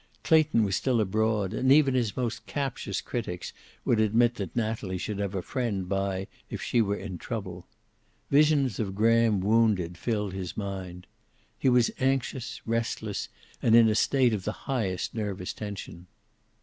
Clayton was still abroad, and even his most captious critics would admit that Natalie should have a friend by if she were in trouble. Visions of Graham wounded filled his mind. He was anxious, restless and in a state of the highest nervous tension.